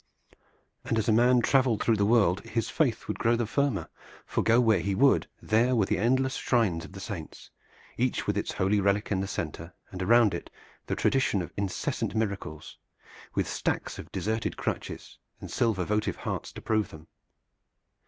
And as a man traveled through the world his faith would grow the firmer, for go where he would there were the endless shrines of the saints, each with its holy relic in the center, and around it the tradition of incessant miracles, with stacks of deserted crutches and silver votive hearts to prove them.